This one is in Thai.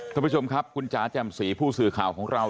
ท่านผู้ชมครับคุณจ๋าแจ่มสีผู้สื่อข่าวของเรา